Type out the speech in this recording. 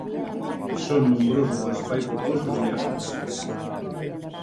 I són nombrosos els espais rocosos i erms.